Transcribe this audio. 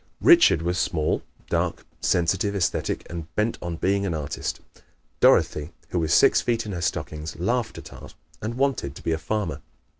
Richard was small, dark, sensitive, esthetic and bent on being an artist. Dorothy, who was six feet in her stockings, laughed at art and wanted to be a farmer.